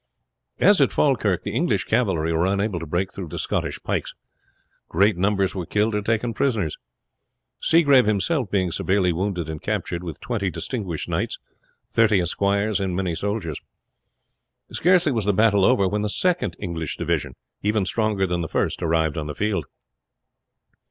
As at Falkirk, the English cavalry were unable to break through the Scottish pikes. Great numbers were killed or taken prisoners, Seagrave himself being severely wounded and captured, with twenty distinguished knights, thirty esquires, and many soldiers. Scarcely was the battle over when the second English division, even stronger than the first, arrived on the field.